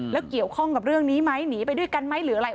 แล้วเกี่ยวข้องกับเรื่องนี้ไหมหนีไปด้วยกันไหมหรืออะไร